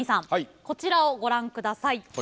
こちらをご覧下さい。